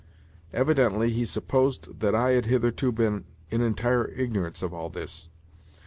Evidently, he supposed that I had hitherto been in entire ignorance of all this.